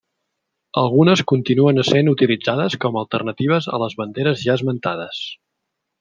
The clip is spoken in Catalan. Algunes continuen essent utilitzades com a alternatives a les banderes ja esmentades.